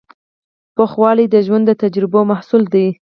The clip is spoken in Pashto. پوخوالی د ژوند د تجربو محصول دی.